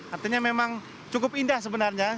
artinya memang cukup indah sebenarnya